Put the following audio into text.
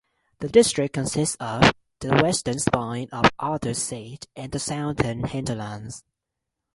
The district consists of the western spine of Arthurs Seat and the southern hinterlands.